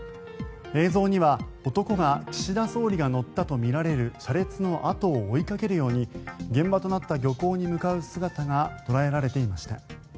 映像には、男が岸田総理が乗ったとみられる車列の後を追いかけるように現場となった漁港に向かう姿が捉えられていました。